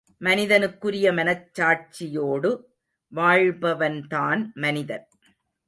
மனிதனுக்குரிய மனச்சாட்சியோடு வாழ்பவன்தான் மனிதன்.